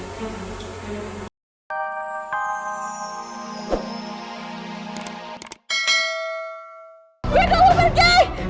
gue gak mau pergi